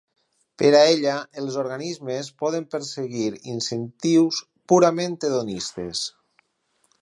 Per a ella, els organismes poden perseguir incentius purament hedonistes.